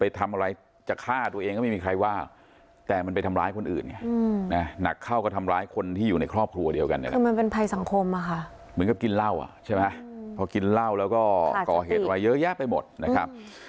เพราะว่าประยารอาการยังสาหัสอยู่ค่ะ